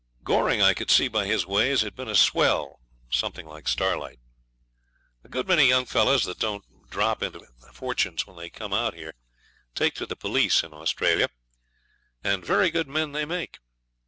Goring, I could see by his ways, had been a swell, something like Starlight. A good many young fellows that don't drop into fortunes when they come out here take to the police in Australia, and very good men they make.